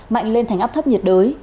mạnh lên thành áp thấp nhiệt đới